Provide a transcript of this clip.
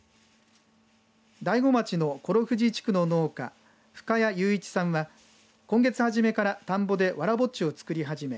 大子町の頃藤地区の農家深谷雄一さんは今月初めから田んぼでわらぼっちをつくり始め